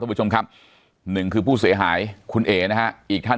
ผู้ชมครับหนึ่งคือผู้เสียหายคุณเอ๋นะฮะอีกท่าน